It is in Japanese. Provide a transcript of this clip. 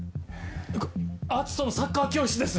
篤斗のサッカー教室です！